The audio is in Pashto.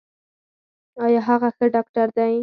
ایا هغه ښه ډاکټر دی؟